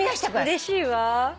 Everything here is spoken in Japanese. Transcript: うれしいわ。